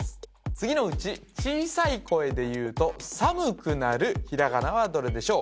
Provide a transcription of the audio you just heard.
次のうち小さい声で言うと寒くなるひらがなはどれでしょう？